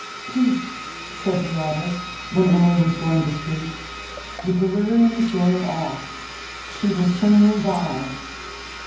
"Peace," said the abbess, when Emily was going to speak, "the delirium is going off, she will soon revive.